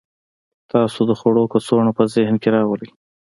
تاسو د خوړو کڅوړه په ذهن کې راولئ